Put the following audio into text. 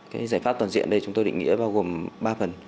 cái giải pháp toàn diện ở đây chúng tôi định nghĩa bao gồm ba phần